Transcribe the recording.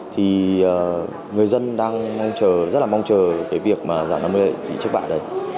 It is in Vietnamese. thì người dân đang mong chờ rất là mong chờ cái việc mà giảm năm mươi lệ phí chiếc bạ đấy